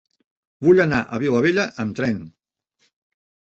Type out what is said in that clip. Vull anar a Vilabella amb tren.